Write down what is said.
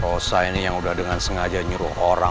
rosa ini yang udah dengan sengaja nyuruh orang